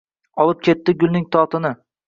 Olib ketdi gulning totini.